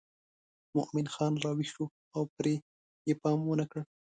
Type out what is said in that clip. مومن خان راویښ شو او پرې یې پام ونه کړ.